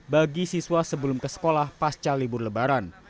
bagi siswa sebelum ke sekolah pasca libur lebaran